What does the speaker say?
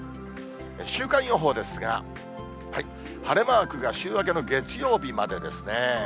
週間予報ですが、晴れマークが週明けの月曜日までですね。